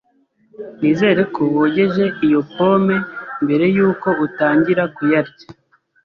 Nizere ko wogeje iyo pome mbere yuko utangira kuyarya.